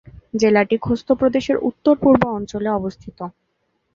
জেলাটি খোস্ত প্রদেশের উত্তর-পূর্ব অঞ্চলে অবস্থিত।